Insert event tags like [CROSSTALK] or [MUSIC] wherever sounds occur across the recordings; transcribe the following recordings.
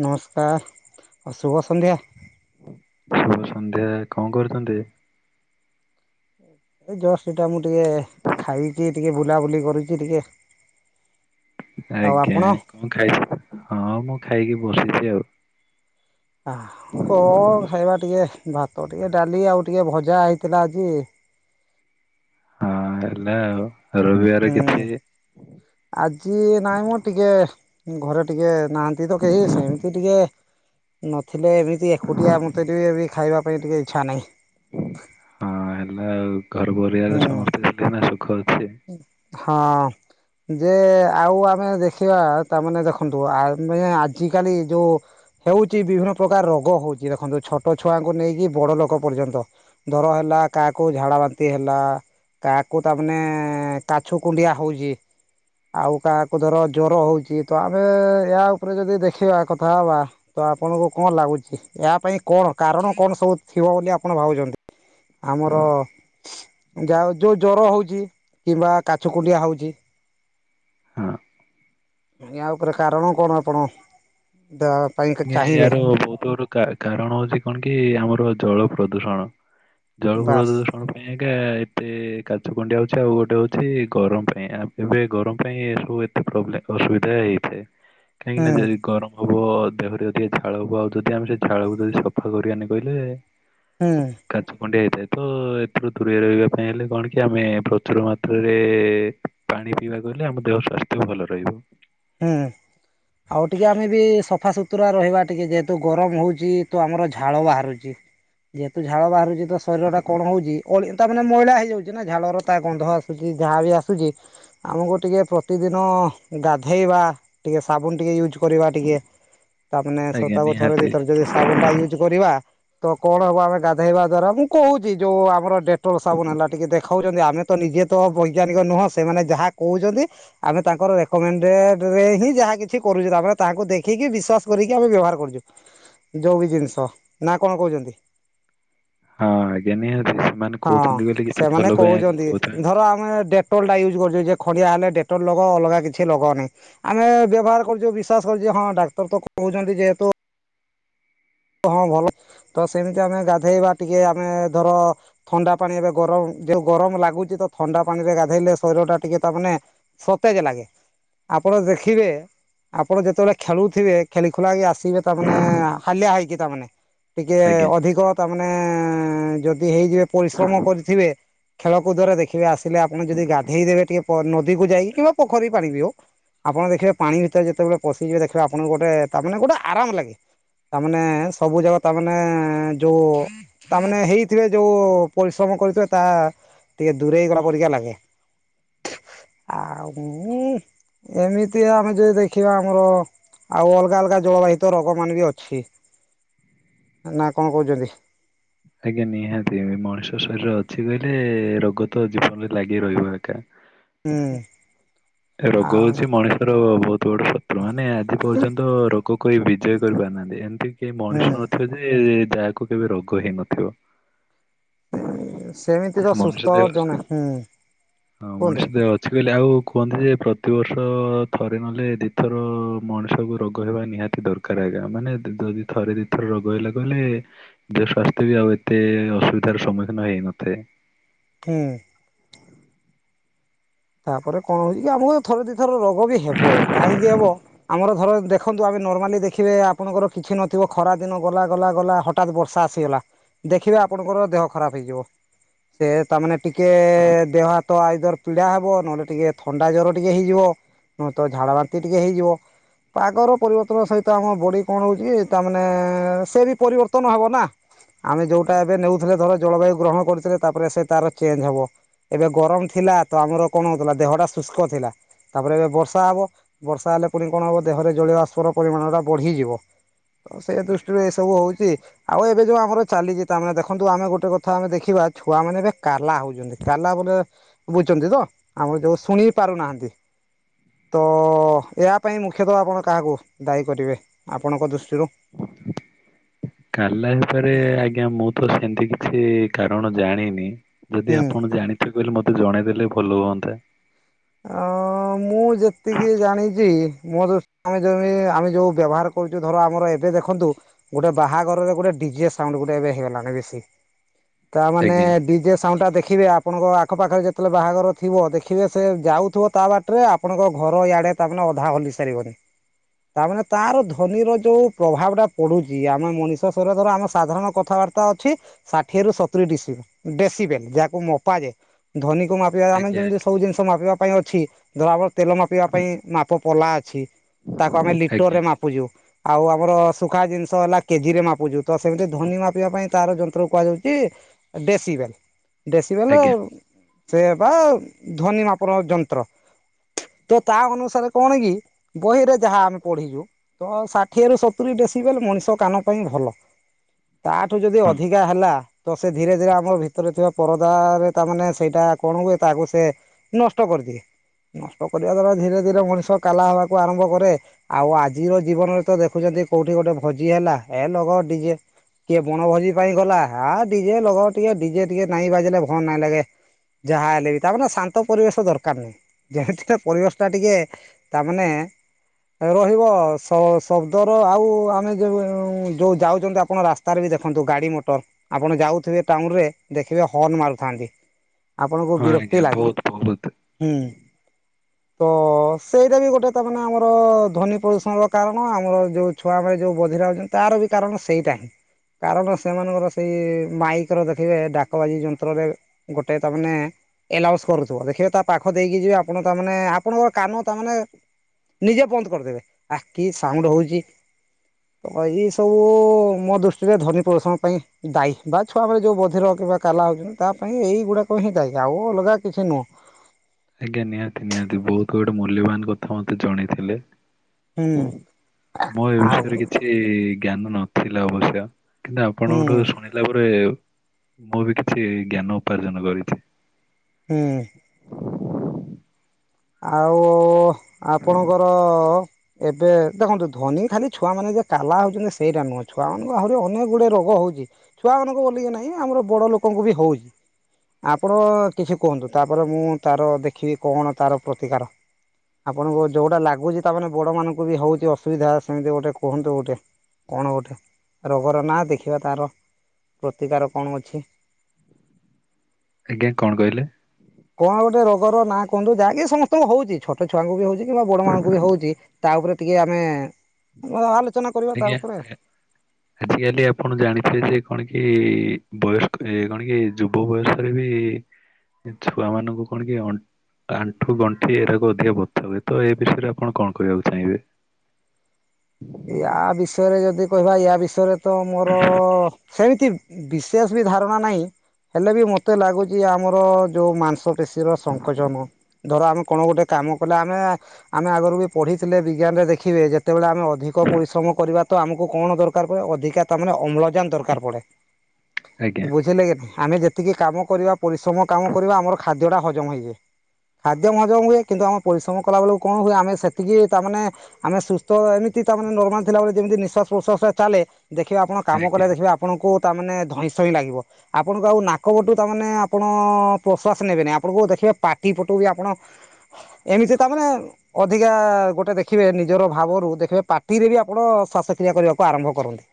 ନମସ୍କାର ଆଉ ଶୁଭ ସନ୍ଧ୍ୟା। ଶୁଭ ସନ୍ଧ୍ୟା କଣ କରୁଚନ୍ତି। ଏଇ ଜଷ୍ଟ ସେଟା ମୁଁ ଟିକେ ଖାଇଚି ଟିକେ ବୁଲାବୁଲି କରୁଛି ଟିକେ। ଆଉ ଆଜ୍ଞା ଆପଣ କଣ ଖାଇଚ ହଁ ମୁଁ ଖାଇକି ବସିଛି ଆଉ। ଅ ହୋ କ ଖାଇବା ଟିକେ ଭାତ ଟିକେ ଡାଲି ଆଉ ଟିକେ ଭଜା ହେଇଥିଲା ଆଜି। ହଁ ହେଲା ଆଉ। ରବିବାର ହୁଁ କିଛି ଆଜି ନାଇଁ ମୁଁ ଟିକେ ଘରେ ଟିକେ ନାହାନ୍ତି ତ କେହି। ସେମିତି ଟିକେ ନଥିଲେ ଏମିତି ଏକୁଟିଆ ମତେ ଟିକେ ଖାଇବା ପାଇଁ ଟିକେ ଇଚ୍ଛା ନାହିଁ। ହଁ ହେଲା ଆଉ ଘର ପରିବାରେ ସମସ୍ତେ ଏଇନା ସୁଖ ଅଛି। ହୁଁ ହଁ। ଯେ ଆଉ ଆମେ ଦେଖିବା ତାମାନେ ଦେଖନ୍ତୁ। ଆ ଆଜିକାଲି ଯୋଉ ହେଉଚି ବିଭିନ୍ନ ପ୍ରକାର ରୋଗ ହଉଚି ଦେଖନ୍ତୁ। ଛୋଟ ଛୁଆଙ୍କୁ ନେଇକି ବଡ ଲୋକ ପର୍ଯ୍ୟନ୍ତ ଦର ହେଲା କା କାହାକୁ ଝାଡ଼ା ବାନ୍ତି ହେଲା କାହାକୁ ତା ମାନେ ଏଁ କାଛୁ କୁଣ୍ଡିଆ ହଉଚି। ଆଉ କାହାକୁ ଧର ଜର ହଉଚି। ତ ଆମେ ୟା ଉପରେ ଯଦି ଦେଖିବା କଥା ହବା। ତ ଆପଣଙ୍କୁ କଣ ଲାଗୁଚି। ଏହା ପାଇଁ କଣ କାରଣ କଣ ସବୁ ଥିବ ବୋଲି ଆପଣ ଭାବୁଚନ୍ତି। ଆମର ଯା ହୋଉ ଜର ହଉଚି। କିମ୍ବା କାଛୁ କୁୁନଡିଆ ହଉଚି। ହଁ ୟା ଉପରେ କାରଣ କଣ ଆପଣ ଦ ଆଜ୍ଞା ୟାର ବହୁତ ବଡ କାରଣ ହଉଛି କଣ କି ଆମର ଜଳ ପ୍ରଦୂଷଣ। ବାସ୍ ଜଳପୁରଦୂଷଣ ପାଇଁ ଆଜ୍ଞା ଏତେ କାଛୁ କୁଣ୍ଡିଆ ହଉଚି। ଆଉ ଗୋଟେ ହ ଛି ଗରମ ପାଇଁ ଏବେ ଗରମ ପାଇଁ ଏ ସବୁ ଏତେ ପ୍ରବ୍ଲେ ଅସୁବିଧା ହେଇଥାଏ। କାହିଁକି ହୁଁ ନା ଯଦି ଗରମ ହବ। ଦେହରେ ଜେତିକ ଝାଳକୁ ଆଉ ଯଦି ଆମେ ସେ ଝାଳକୁ ଯଦି ସଫା କରିବାନି କହିଲେ। ହୁଁ କାଛୁ କୁଣ୍ଡି ପ୍ରାୟତ ଏଥିରୁ ଦୂରେଇ ରହିବା ପାଇଁ ହେଲେ କଣ କି ଆମେ ପ୍ରଚୁର ମାତ୍ରାରେ। ପାଣି ପିଇବାକୁ ଗଲେ ଆମ ଦେହ ସ୍ୱାସ୍ଥ୍ୟ ଭଲ ରହିବ। ହୁଁ। ଆଉ ଟିକେ ଆମେ ବି ସଫାସୁତୁରା ରହିବା ଟିକେ ଯେହେତୁ ଗରମ ହଉଛି ତ ଆମର ଝାଳ ବାହାରୁଛି। ଯେହେତୁ ଝାଳ ବାହାରୁଛି ତ ଶରୀର ଟା କଣ ହଉଛି ଅଳି ତା ମାନେ ମଇଳା ହେଇଯାଉଛି ନା ଝାଳ ର ତା ଗନ୍ଧ ଆସୁଛି। ଯାହା ବି ଆସୁଛି ଆମକୁ ଟିକେ ପ୍ରତିଦିନ ଗା ଧେଇବା ଟିକେ ସାବୁନ ଟିକେ ୟୁଜ୍ କରିବା ଟିକେ ତା ମାନେ ଆଜ୍ଞା ସପ୍ତାହ କୁ ଥରେ ଦୁଇ ନିହାତି ଥର ଯଦି ସାବୁନ ଟା ୟୁଜ୍ କରିବା। ତ କଣ ହବ ଆମେ ଗାଧେଇବା ଦ୍ଵାରା ମୁଁ କହୁଛି ଯୋଉ ଆମର ଡେଟୋଲ ସାବୁନ ହେଲା ଟିକେ ଦେଖାଉଛନ୍ତି ଆମେ ତ ନିଜେ ତ ବୈଜ୍ଞାନିକ ନୁହଁ ସେମାନେ ଯାହା କହୁଛନ୍ତି ଆମେ ତାଙ୍କର ରେକୋମେ ଏ ରେ ହିଁ ଯାହା କିଛି କରୁଛେ ଆମେ ତାହାଙ୍କୁ ଦେଖିକି ବିଶ୍ଵାସ କରିକି ଆମେ ବ୍ୟବହାର କରୁଛୁ। ଯୋଉ ବି ଜିନିଷ ନା କଣ କହୁଛନ୍ତି। ହଁ ଆଜ୍ଞା ନିହାତି ସେ ହଁ ସେମାନେ କହୁଛନ୍ତି କହୁଥିବେ ନା। ଧର ଆମେ ଡେଟଲ ଟା ୟୁ ହଁ ୟୁଜ କରୁଚି ଯେ ଖଣ୍ଡିଆ ହେଲେ ଡେଟୋଲ ଲୋଗ ଅଲଗା କିଛି ଲଗଉନି ଆମେ ବ୍ୟବହାର କରୁଛେ ବିଶ୍ୱାସ କରୁଚେ ହଁ ଡାକ ତ ତ କହୁଛନ୍ତି ଯେହେତୁ। ହଁ ଭଲ ତ ସେମିତି ଆମେ ଗାଧେଇବା ଟିକେ ଆମେ ଧର ଥଣ୍ଡା ପାଣି ଏବେ ଗରମ। ଯୋଉ ଗରମ ଲାଗୁଛି ତ ଥଣ୍ଡା ପାଣିରେ ଗାଧେଇଲେ ଶରୀର ଟା ଟିକେ ତା ମାନେ ସତେଜ ଲାଗେ। ଆପଣ ଦେଖିବେ। ଆପଣ ଯେତେବେଳେ ଖେଳୁଥିବେ ଖେଳି ଖୁଲା କି ଆସିବେ ତାମାନେ ହାଲିଆ ହେଇ କି ତାମାନେେ ଟିକେ ଆଜ୍ଞା ଅଧିକ ତାମାନେ ଯ ହେଇଯିବେ ପରିଶ୍ରମ କରିଥିବେ। ଖେଳକୁଦରେ ଦେଖିବେ ଆସିଲେ ଆପଣ ଯଦି ଗାଧେଇ ଦେବେ ଟିକେ ପ ନଦୀକୁ ଯାଇକି କିମ୍ବା ପୋଖରୀ ପାଣି ବି ହଉ। ଆପଣ ଦେଖିବେ ପାଣି ଭିତରେ ଯେତେବେଳେ ପଶିଯିବେ ଦେଖିବେ ଆପଣଙ୍କୁ ଗୋଟେ ତାମାନେ ଗୋଟେ ଆରାମ ଲାଗେ ତାମାନେ। ସବୁ ଯାକ ତାମାନେ ଯୋଉ ତାମାନେ ହେଇଥିବେ ଯୋଉ ପରିଶ୍ରମ କରିଥିବେ ତାହା। ଟିକେ ଦୂରେଇ ଗଲା ପରିକା ଲାଗେ। ଆଉ ଉଁ ଏମିତି ଆମେ ଯଦି ଦେଖିବା ଆମର। ଆଉ ଅଲଗା ଅଲଗା ଜଳବାହିତ ରୋଗ ମାନେ ବି ଅଛି। ନା କଣ କହୁଛନ୍ତି? ଆଜ୍ଞା ନିହାତି ମଣିଷ ଶରୀର ଅଛି କହିଲେ ରୋଗ ତ ଜୀବନରେ ଲାଗି ରହିବ ଏକା। ହୁଁ ରୋଗ ଆଉ ହଉଛି ମଣିଷର ବହୁ ବଡ଼ ଶତ୍ରୁ ମାନେ ଆଜି ପର୍ଯ୍ୟନ୍ତ ରୋଗକୁ କେହି ବିଜୟ କରିପାରୁନାହାନ୍ତି ଏମିତି କେହି ମଣିଷ ହୁଁ ନଥିବ ଯେ। ଯାହାକୁ କେବେ ରୋଗ ହେଇନଥିବ। ଏ ସେମିତି ତ ମଣିଷ ସୁସ୍ଥ ଦେହ ଜଣେ ହୁଁ। ହଁ କୁହନ୍ତୁ ମଣିଷ ଦେହ ଅଛି କହିଲେ ଆଉ। କୁହନ୍ତି ଯେ ପ୍ରତିବର୍ଷ ଥରେ ନହେଲେ ଦିଥର ମଣିଷକୁ ରୋଗ ହେବା ନିହାତି ଦରକାର ଅ ଆଜ୍ଞା ମାନେ ଦ ଯଦି ଥରେ ଦିଥର ରୋଗ ହେଲା କଲେ ଦେହ ସ୍ୱାସ୍ଥ୍ୟ ବି ଆଉ ଏତେ ଅସୁବିଧାର ସ ସମ୍ମୁଖୀନ ହେଇନଥିବେ। ହୁଁ। ହ ତାପରେ କଣ ହଉଛି କି ଆମକୁ ଥରେ ଦିଥର ରୋଗ ବି ହେବ କାହିଁକି ହେବ। ଆମର ଧର ଦେଖନ୍ତୁ ଆମେ ନର୍ମାଲି ଦେଖିବେ ଆପଣଙ୍କର କିଛି ନଥିବ ଖରା ଦିନ ଗଲା ଗଲା ଗଲା ହଠତ୍ ବର୍ଷା। ଆସିଗଲା ଦେଖିବେ ଆପଣଙ୍କର ଦେହ ଖରାପ ହେଇଯିବ ସେ ତାମାନେ ଟିକେ ଦେହ ହାତ ଆଇଦର ପିଡା ହେ ବ ନହେଲେ ଟିକେ ଥଣ୍ଡା ଜର ଟିକେ ହେଇଯିବ ନହେଲେ ତ ଝାଡା ବାନ୍ତି ଟିକେ ହେଇଯିବ। ପାଗର ପରିବର୍ତ୍ତନ ସହିତ ଆମ ବଡି କଣ ହଉଛି କି ତାମାନେ ସେ ବି ପରିବର୍ତ୍ତନ ହବ ନା। ଆମେ ଯୋଉଟା ଏବେ ନେଉଥିଲେ ଧର ଜଳବାୟୁ ଗ୍ରହଣ କରିଥିଲେ ତାପରେ ସେ ତାର ଚେଞ୍ଜ ହବ। ଏବେ ଗରମ ଥିଲା ତ ଆମର। କଣ ହୋଉଥିଲା ଦେହଟା ଶୁଷ୍କ ଥିଲା। ତାପରେ ଏବେ ବର୍ଷା ହବ ବର୍ଷା ହେଲେ ପୁଣି କଣ ହବ ଦେହରେ ଜଳିୟ ବାଷ୍ପ ର ପରିମାଣ ଟା ବଢିଯିବ। ତ ସେ ଦୃଷ୍ଟିରୁ ଏ ସବୁ ହୋଉଛି ଆଉ ଏବେ ଯୋଉ ଆମର ଚାଲିଛି ତାମାନେ ଦେଖନ୍ତୁ ଆମେ ଗୋଟେ କଥା ଆମେ ଦେଖିବା ତା ଛୁଆଁ ମାନେ ଏବେ କାଲା ହୋଉଛନ୍ତି କାଲା ବୋ ବୁଝୁଛନ୍ତି ତ? ଆମର କେହିଁ ଶୁଣି ପାରୁନାହାନ୍ତି। ତ ଏହା ପାଇଁ ମୁଖ୍ୟତଃ ଆପଣ କାହାକୁ ଦାୟୀ କରିବେ ଆପଣଙ୍କ ଦୃଷ୍ଟିରୁ କାଲା ହିସରେ ଆଜ୍ଞା ମୁଁ ତ ସେମତି କିଛି କାରଣ ଜାଣିନି ଯଦି ହୁଁ ଆପଣ ଜାଣିଥିବେ ତେବେ ମତେ ଜଣେଇ ଦେଲେ ଭଲ ହୁଅନ୍ତା। ଆଁ ଆଁ ମୁଁ ଯେତିକି ଜାଣିଛି ମୁଁ ଯ ଆମେ ଯେ ଆମେ ଯୋଉ ବ୍ୟବହାର କରୁଛୁ ଧର ଆମର ଏବେ ଦେଖନ୍ତୁ ଗୋଟେ ବାହାଘରରେ ଗୋଟେ ଯିଏ ସାଉଣ୍ଡ ଗୁଟେ ଏବେ ହେଇଗଲାଣି ବେଶୀ। ହ ତା ମାନେ ଡିଜେ ସାଉଣ୍ଡ ଟା ଦେଖିବେ ଆପଣଙ୍କ ଆଖ ପାଖରେ ଯେତେବେଳେ ବାହାଘର ଥିବ ଦେଖିବେ ସେ ଯାଉଥିବ ତା ବାଟରେ ଆପଣଙ୍କ ଘର ଇଆଡେ ତା ମାନେ ଅଧା ହଲି ସାରିବଣି। ତା ମାନେ ତାର ଧନୀର ଯୋଉ ପ୍ରଭାବ ଟା ପଡୁଛି ଆମେ ମଣିଷ ସର ଧର ଆମେ ସାଧାରଣ କଥା କରତ ଅଛି ଷାଠିଏ ରୁ ସତୁରୀ ଡିସି ଡେସିବେ ଯାହାକୁ ମୋପା ଯାଏ ଧ୍ଵନି ମାପିବା ଆମେ ଆଜ୍ଞା ଯେମିତି ଆଜ୍ଞା ସବୁ ଜିନିଷ ମାପିବା ପାଇଁ ଅଛି ଧରାବର ତେଲ ମାପିବା ପାଇଁ ମାପ ପୋଲା ଅଛି ତାକୁ ଆମେ ଲିଟର ଆଜ୍ଞା ରେ ମାପୁଚୁ। ଆଉ ଆମର ଶୁଖା ଜିନିଷ ହେଲା କେଜି ରେ ମାପୁଛୁ ତ ସେମିତି ଧ୍ଵନି ମାପିବା ପାଇଁ ତାର ଯନ୍ତ୍ରକୁ କୁହାଯାଉଛି। ଡେସି ବେଲ୍ ଡେସି ବେଲ୍ ଆଜ୍ଞା ସେଇଆ ପା ଧ୍ଵନି ମା ଆପଣ ଯନ୍ତ୍ର ତ ତା ଅନୁସାରେ କଣ କି ବହିରେ ଯାହା ଆମେ ପଢିଲୁ ତ ଷାଠିଏ ରୁ ସତୁରୀ ଡେସି ବଲେ ମଣିଷ କାନ ପାଇଁ ଭଲ। ତା ଠୁ ଯଦି ହଁ ଅଧିକା ହେଲା ତ ସେ ଧୀରେ ଧୀରେ ଆମର ଭିତରେ ଥିବା ପରଦା ରେ ତା ମାନେ ସେଇଟା କଣ ହୁଏ ତାକୁ ସେ ନଷ୍ଟ କରି ଦିଏ। ନଷ୍ଟ କରିବା ଦ୍ଵାରା ଧୀରେ ଧୀରେ ମଣିଷ କାଲା ହବାକୁ ଆରମ୍ଭ କରେ ଆଉ ଆଜିର ଜୀବନରେ ତ ଦେଖୁଛନ୍ତି ଯି କୋଉଠି ଗୋଟେ ଭୋଜି ହେଲା ଏ ଲଗାଅ ଡିଜେ କିଏ ବଣ ଭୋଜି ପାଇଁ ଗଲା ଆ ଡିଜେ ଲଗାଅ ଟିକେ ଡିଜେ ଟିକେ ନାଇଁ ବାଜିଲେ ଭଲ ନାଇଁ ଲାଗେ। ଯାହା ହେଲେ ବି ତାପ ସା ତ ପରିବେଶ ଦରକାର ନାହିଁ ଯେମିତିରେ ପରିବେଶ ଟା ଟିକେ ତା ମାନେ ରହିବ ଶବ୍ଦର ଆଉ ଆମେ ଯୋଉ ଯୋଉ ଯାଉଛନ୍ତି ଆପଣ ରାସ୍ତାରେ ଵି ଦେଖନ୍ତୁ ଗାଡି ମଟର ଆପଣ ଯାଉଥିବେ ଟାଉନ ରେ ଦେଖିବେ ହର୍ଣ ମାରୁଥାନ୍ତି। ହ ଆପଣଙ୍କୁ ବିରକ୍ତି ଲାଗେ ହୁଁ। ତ ସେଇଟା ବି ଗୋଟେ ତ ମାନେ ଆମର ଧ୍ଵନି ପ୍ରଦୂଷଣର କାରଣ ଆମର ଯୋଉ ଛୁଆ ମାନେ ଯୋଉ ବ ଭେରେ ଆଉଛନ୍ତି ତାର ବି କାରଣ ସେଇଟା ହିଁ। କାରଣ ସେମାନଙ୍କର ସେଇ ମାଇକ ରେ ଦେଖିବେ ଡାକ ବାଜି ଯନ୍ତ୍ରରେ ଗୋଟେ ତା ମାନେ ଏଲାଉସ କରୁଥିବ ଦେଖିବେ ତା ପାଖ ଦେଇକି ଯିବେ ଆପଣ ତା ମାନେ ଆପଣଙ୍କ କାନ ତା ମାନେ ନିଜେ ବନ୍ଦ କରିଦେବେ ଆକି ସାଉଣ୍ଡ ହୋଉଛି। ତ ଏଇ ସବୁ ମୋ ଦୃଷ୍ଟିରେ ଧ୍ଵନି ପ୍ରଦୂଷଣ ପାଇଁ ଦାୟୀ ବା ଛୁଆ ବେଳେ ଯୋଉ ବଧିର କିମ୍ବା କାଲା ହୋଉଛନ୍ତି ତାପ ପାଇଁ ଏଇ ଗୁଡ଼ାକ ହିଁ ଥାଏ ଆଉ ଅଲଗା କିଛି ନୁହଁ। ଆଜ୍ଞା ନିହାତି ନିହାତି ବହୁତ ଗୋଟେ ମୂଲ୍ୟବାନ କଥା ମତେ ଜଣେଇଥିଲେ। ହୁଁ ମୁଁ ଏ ଆଉ ବିଷୟରେ କିଛି ଜ୍ଞାନ ନଥିଲା ଅବଶ୍ୟ କିନ୍ତୁ ହୁଁ ଆପଣଙ୍କ ଠୁ ଶୁଣିଲା ପରେ ମୁଁ ବି କିଛି ଜ୍ଞାନ ଉପାର୍ଜନ କରିଛି। ହୁଁ। ଆଉ ଆପଣଙ୍କର ଏବେ ଦେଖନ୍ତୁ ଧ୍ଵନି ଖାଲି ଛୁଆ ମାନେ ଯେ କାଲା ହୋଉଛନ୍ତି ସେଇଟା ନୁହଁ ଛୁଆ ମାନଙ୍କୁ ଆହୁରି ଅନେକ ଗୁଡେ ରୋଗ ହୋଉଛି ଛୁଆ ମାନଙ୍କୁ ବୋଲି ନାହିଁ ଆମର ବଡ଼ ଲୋ ଲୋକଙ୍କୁ ବି ହୋଉଛି ଆପଣ କିଛି କୁହନ୍ତୁ ତାପରେ ମୁଁ ତାର ଦେଖିବି କଣ ତାର ପ୍ରତିକାର ଆପଣଙ୍କୁ ଯୋଉଟା ଲାଗୁଛି ତାମାନେ ବଡ ମାନଙ୍କୁ ବି ହଉଛି ଅସୁବିଧା ସେମିତି ଗୋଟେ କୁହନ୍ତୁ ଗୋଟେ। କଣ ଗୋଟେ ରୋଗର ନା ଦେଖିବା ତାର ପ୍ରତିକାର କଣ ଅଛି। ଆଜ୍ଞା କଣ କହିଲେ? କଣ ଗୋଟେ ରୋଗର ନାଁ କୁହନ୍ତୁ ଯାହାକି ସମସ୍ତଙ୍କୁ ହଉଛି ଛୋଟ ଛୁଆଙ୍କୁ ବି ହଉଛି କିମ୍ବା ବଡ ମାନଙ୍କୁ ବି ହଉଛି ତା ଉପରେ ଟିକେ ଆମେ [UNINTELLIGIBLE] ତା ଆଜ୍ଞା ଉପରେ ଆଜି କାଲି ଆପଣ ଜାଣିପାରିବେ କଣ କି କି ବୟସ୍କ ଏ କଣ କି ଯୁବ ବୟସରେ ବି ଏ ଛୁଆ ମାନଙ୍କୁ କଣ କିଏ ଅ ଆଣ୍ଠୁ ଗଣ୍ଠି ଏରାକୁ ଅଧିକା ବଥା ହୁଏ ତ ଏ ବିଷୟରେ ଆପଣ କଣ କହିବାକୁ ଚାହିଁବେ [INAUDIBLE] ୟା ବିଷୟରେ ଯଦି କହିବା ୟା ବିଷୟରେ ତ ମୋର ସେମିତି ବିଶେଷ ବି ଧାରଣା ନାଇ। ହେଲେ ବି ମତେ ଲାଗୁଛି ଆମର ଯୋଉ ମାଂସ ପେଶୀର ସଙ୍କୋଚନ ଧର ଆମେ କଣ ଗୋଟେ କାମ କଲେ ଆମେ ଆମେ ଆଗରୁ ବି ପଢିଥିଲେ ବିଜ୍ଞାନ ରେ ଦେଖିବେ ଯେତେବେଳେ ଆମେ ଅଧିକ ପରିଶ୍ରମ କରିବା ତ ଆମକୁ କଣ ଦରକାର ପ ଅଧିକା ତାମାନେ ଅମ୍ଳ ଜାନ ଦରକାର ପଡେ ଆଜ୍ଞା ବୁଝିଲେ କି ଆମେ ଯେତିକି କାମ କରିବା ପରିଶ୍ରମ କାମ କରିବା ଆମର ଖାଦ୍ୟ ଟା ହଜମ ହେଇଯାଏ। ଖାଦ୍ୟ ମହଜମ ହୁଏ କିନ୍ତୁ ଆମ ପରିଶ୍ରମ କଲା ବେଳକୁ କଣ ହୁଏ ଆମେ ସେତିକି ତାମାନେ ଆମେ ସୁସ୍ଥ ଏମି ତି ତା ନର୍ମାଲ ଥିଲାବେଳେ ଯେମିତି ନିଶ୍ୱାସ ପ୍ରଶ୍ୱାସ ଚାଲେ ଦେଖିବା ଆପଣ କାମ ଆଜ୍ଞା କଲେ ଦେଖିବେ ଆପଣଙ୍କୁ ତା ମାନେ ଧଇଁ ସଇଁ ଲାଗିବ ଆପଣଙ୍କୁ ଆଉ ନାକପଟୁ ତାନେ ଆପଣ ପ୍ରଶ୍ୱାସ ନେବେନି ଆପଣଙ୍କୁ ଦେ ଖିବେ ପାଟି ପଟୁ ବି ଆପଣ ଏମିତି ତା ମାନେ ଅଧିକା ଗୋଟେ ଦେଖିବେ ନିଜର ଭା ବ ରୁ ଦେଖିବେ ପାଟିରେ ବି ଆପଣ ଶ୍ଵାସକ୍ରିୟା କରିବାକୁ ଆରମ୍ଭ କରନ୍ତି।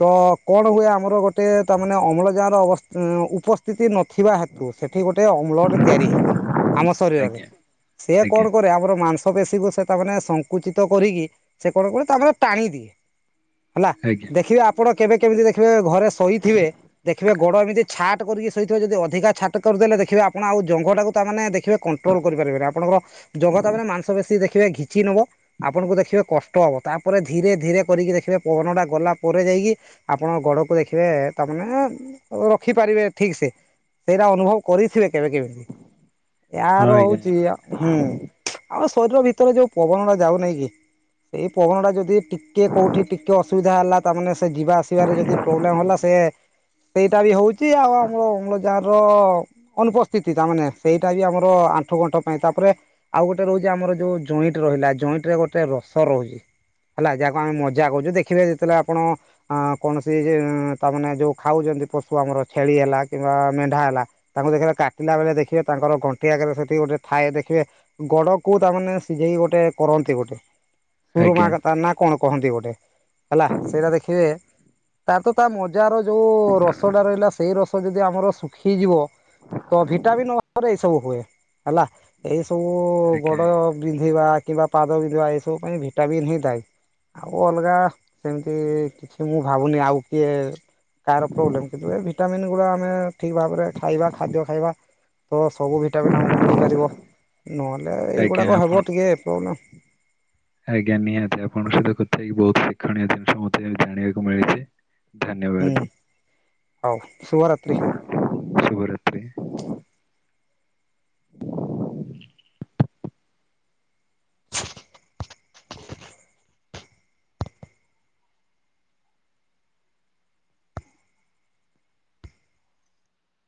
ତ କଣ ହୁଏ ଆମର ଗୋଟେ ତାମାନେ ଅମ୍ଳଜାନ ଅବ ଉପସ୍ଥିତି ନ ନଥିବା ହେତୁ ସେଠି ଗୋଟେ ଅମ୍ଳଟେ ତିଆରି ହେଇଯାଏ ଆମ ଶରୀରରେ। ଆଜ୍ଞା। ସେ କଣ ଆଜ୍ଞା କରେ ଆମର ମାଂସ ପେଶିକୁ ସେ ତାମାନେ ସଙ୍କୁଚିତ କରିକି ସେ କଣ କରେ ତା ଟାଣି ଦିଏ। ହେଲା ଆଜ୍ଞା ଦେଖିବେ ଆପଣ କେବେ କେମିତି ଦେଖିବେ ଘରେ ଶୋଇଥିବେ ଦେଖିବେ ଗୋଡ ଏମିତି ଛାଟ କରିକି ଶୋଇଥିବ ଯଦି ଅଧିକା ଛାଟ କରିଦେଲେ ଦେଖିବେ ଆପଣ ଆଉ ଜଙ୍ଘଟାକୁ ତାମାନେ ଦେଖିବେ କଣ୍ଟ୍ରୋଲ କରିପାରେନି ଆପଣଙ୍କର ଜଙ୍ଘ ତା ମାନେ ମାଂସ ବେଶୀ ଦେଖିବେ ଘିଚିନବ। ଆପଣଙ୍କୁ ଦେଖିବେ କଷ୍ଟ ହବ ତାପରେ ଧୀରେ ଧୀରେ କରିକି ଦେଖିବେ ପବନ ଟା ଗଲା ପରେ ଯାଇକି ଆପଣଙ୍କ ଗୋଡକୁ ଦେଖିବେ ତା [UNINTELLIGIBLE] ରଖିପାରିବେ ଠିକ ସେ ସେଇଟା ଅନୁଭବ କରିଥିବେ କେବେ କେବେ। ହଁ ଏଆର ଆଜ୍ଞା ହଉଛି ହୁଁ ଆମ ଶରୀର ଭିତରେ ଯୋଉ ପବନ ଟା ଯାଉନାଇଁ କି ସେଇ ପବନ ଟା ଯଦି ଟିକେ କୋଉଠି ଟିକେ ଅସୁବିଧା ହେଲା ତାମାନେ ସେ ଯିବା ଆସିବାରେ ଯଦି ପ୍ରୋବ୍ଲେମ ହେଲା ସେ ସେଇଟା ବି ହଉଛି ଆଉ ଅମ୍ଳଯା ଅନୁପସ୍ଥିତି ତା ମାନେ ସେଇଟା ବି ଆମର ଆଣ୍ଠୁ ଗଣ୍ଠ ପାଇଁ ତାପରେ ଆଉ ଗୋଟେ ରହୁଛି ଆମର ମର ଯୋଉ ଜଏଣ୍ଟ ରହିଲା ଜଏଣ୍ଟ ରେ ଗୋଟେ ରସ ରହୁଛି। ହେଲା ଯାହାକୁ ଆମେ ମଜା କହୁଚୁ ଦେଖିବେ ଯେତେବେଳେ ଆପଣ ଅ କୌଣସି ତାମାନେ ଯୋଉ ଖାଉଚେ ଯେମତି ପଶୁ ଆମର ଛେଳି ହେଲା କିମ୍ବା ମେଣ୍ଢା ହେଲା ତାଙ୍କୁ ଦେଖିଲେ କାଟିଲା ବେଳେ ଦେଖିବେ ତାଙ୍କର ଗଣ୍ଟି ଆଗରେ ସେ ଗୋଟେ ଥାଏ ଦେଖିବେ ଗୋଡକୁ ତାମାନେ ସିଝେଇ ଗୋଟେ କରନ୍ତି ଗୋଟେ। ସରୁମା ଆଜ୍ଞା କଥା ନା କଣ କହନ୍ତି ଗୋଟେ ହେଲା ସେଇଟା ଦେଖିବେ ତାର ତ ତା ମଜାର ଯୋଉ ରସଟା ରହିଲା ସେଇ ରସ ଯଦି ଆମର ଶୁଖିଯିବ ତ ଭିଟାମିନ୍ ଅର୍ଥରେ ଏଇ ସବୁ ହୁଏ ହେଲା ଏଇ ସବୁ ଆଜ୍ଞା ଗୋଡ ଆଜ୍ଞା ବିନ୍ଧିବା କିମ୍ବା ପାଦ ବିନ୍ଧିବା ଏ ସବୁ ପାଇଁ ଭିଟାମିନ୍ ହିଁ ଦାଇ। ଆଉ ଅଲଗା ସେମିତି କିଛି ମୁଁ ଭାବୁନି ଆଉ କିଏ କାହାର ପ୍ରୋବେଲମ କିନ୍ତୁ ଏ ଭିଟାମନ୍ ଗୁରା ଆମେ ଠିକ ଭାବରେ ଖାଇବା ଖାଦ୍ୟ ଖାଇବା। ତ ସବୁ ଭିଟାମିନ ଆମକୁ ମିଳିପାରିବ। ନହେଲେ ଆଜ୍ଞା ଏଇଗୁଡ଼ାକ ଆପଣ ହେବ ଟିକେ ପ୍ରୋବ୍ଲେମ୍। ଆଜ୍ଞା ନିହାତି ଆପଣଙ୍କ ସହିତ କଥା ହେଇକି ବହୁତ ଶିକ୍ଷଣୀୟ ଜିନିଷ ମତେ ଜାଣିବାକୁ ମିଳିଚି। ହୁଁ ହଉ ଶୁଭରାତ୍ରି। ହ [UNINTELLIGIBLE]